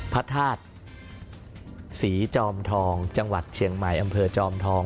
พระธาตุศรีจอมทองจังหวัดเชียงใหม่อำเภอจอมทอง